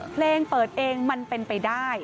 เพลงเปิดเองมันเป็นไปได้